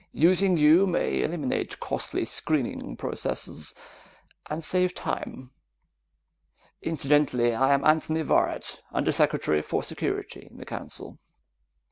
Using you may eliminate costly screening processes ... and save time. Incidentally, I am Anthony Varret, Undersecretary for Security in the Council."